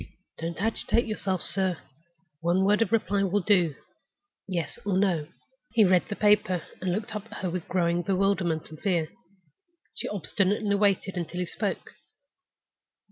Don't agitate yourself, sir! One word of reply will do—Yes or No." He read the paper, and looked up at her with growing bewilderment and fear. She obstinately waited until he spoke.